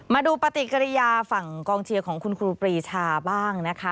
มาดูปฏิกิริยาฝั่งกองเชียร์ของคุณครูปรีชาบ้างนะคะ